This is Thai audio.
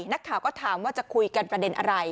นักข่าวก็ถามว่าจะคุยกันประเด็นอะไร